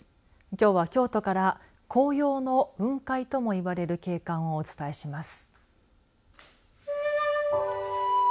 きょうは京都から紅葉の雲海とも言われる景観をお伝えします。